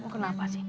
kenapa sih ini